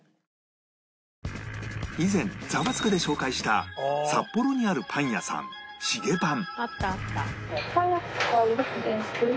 以前『ザワつく！』で紹介した札幌にあるパン屋さんしげぱん